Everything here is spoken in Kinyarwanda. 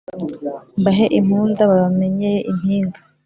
mbahe impunda babamenyeye impinga